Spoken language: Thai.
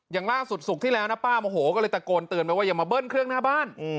อย่างล่าสุดศุกร์ที่แล้วนะป้าโมโหก็เลยตะโกนเตือนไปว่าอย่ามาเบิ้ลเครื่องหน้าบ้าน